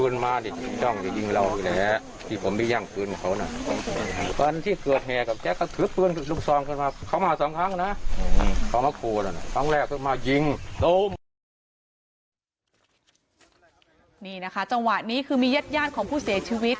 นี่นะคะจังหวะนี้คือมีญาติของผู้เสียชีวิต